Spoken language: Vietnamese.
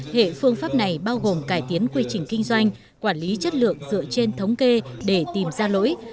hệ phương pháp này bao gồm cải tiến quy trình kinh doanh quản lý chất lượng dựa trên thống kê để tìm ra lỗi